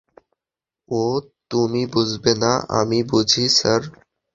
ও তুমি বুঝবে না আমি বুঝি, স্যার।